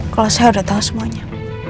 kalau saya sudah tahu semuanya